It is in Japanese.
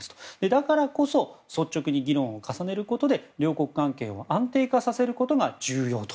だからこそ率直に議論を重ねることで両国関係を安定化させることが重要と。